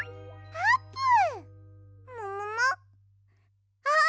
あーぷん！